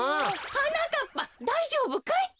はなかっぱだいじょうぶかい？